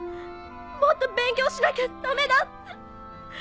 もっと勉強しなきゃダメだって。